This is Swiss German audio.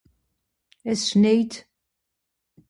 Es schnèit